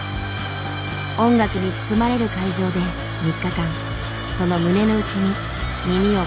音楽に包まれる会場で３日間その胸のうちに耳を傾けた。